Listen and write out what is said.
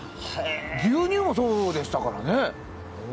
牛乳もそうでしたからね。